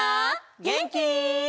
げんき？